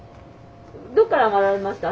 どっからあがられました？